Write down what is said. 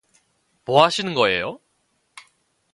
뭐 하시는 거예요?